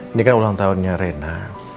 ini kan ulang tahunnya rena